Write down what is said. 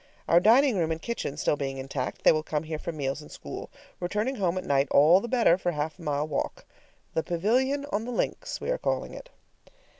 Our dining room and kitchen still being intact, they will come here for meals and school, returning home at night all the better for half a mile walk. "The Pavilion on the Links" we are calling it.